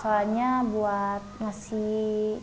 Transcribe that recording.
soalnya buat ngasih